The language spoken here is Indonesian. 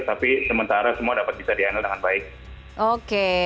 tapi sementara semua dapat bisa diandalkan dengan baik